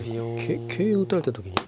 桂打たれた時に。